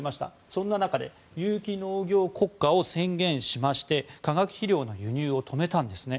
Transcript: そんな中で有機農業国家を宣言しまして化学肥料の輸入を止めたんですね。